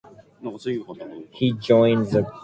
It is part of Hillsboro Parish.